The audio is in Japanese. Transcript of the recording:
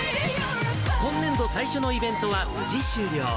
今年度最初のイベントは無事終了。